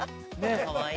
かわいい。